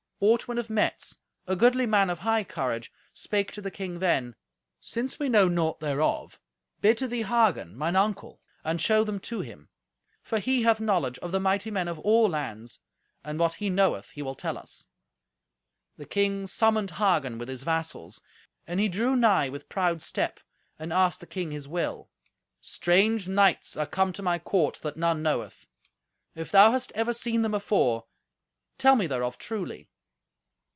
Ortwin of Metz, a goodly man of high courage, spake to the king then, "Since we know naught thereof, bid to thee Hagen mine uncle, and show them to him. For he hath knowledge of the mighty men of all lands; and what he knoweth he will tell us." The king summoned Hagen with his vassals, and he drew nigh with proud step, and asked the king his will. "Strange knights are come to my court that none knoweth. If thou hast ever seen them afore, tell me thereof truly."